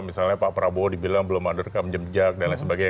misalnya pak prabowo dibilang belum ada rekam jejak dan lain sebagainya